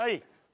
はい！